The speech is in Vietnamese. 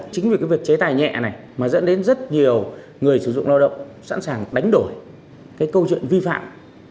chính vì cái việc chế tài nhẹ này mà dẫn đến rất nhiều người sử dụng lao động sẵn sàng đánh đổi cái câu chuyện vi phạm